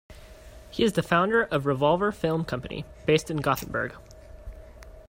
He is the founder of Revolver Film Company, based in Gothenburg.